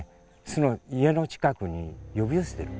巣を家の近くに呼び寄せてる。